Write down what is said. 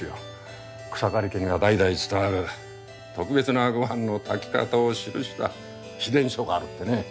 草刈家には代々伝わる特別なごはんの炊き方を記した秘伝書があるってね。